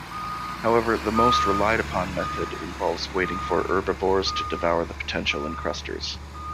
However, the most relied-upon method involves waiting for herbivores to devour the potential encrusters.